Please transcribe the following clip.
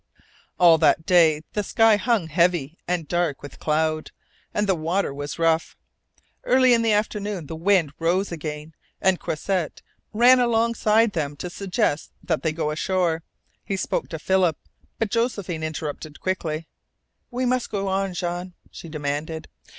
All that day the sky hung heavy and dark with cloud, and the water was rough. Early in the afternoon the wind rose again, and Croisset ran alongside them to suggest that they go ashore. He spoke to Philip, but Josephine interrupted quickly: "We must go on, Jean," she demanded.